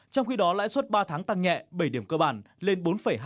trong khi đó lãi suất ba tháng tăng nhẹ bảy điểm cơ bản lên bốn hai mươi năm